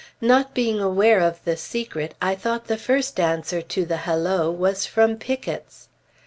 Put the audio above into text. Not being aware of the secret, I thought the first answer to the halloo was from pickets.